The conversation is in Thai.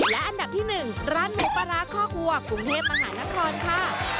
และอันดับที่๑ร้านหมูปลาร้าคอกวัวกรุงเทพมหานครค่ะ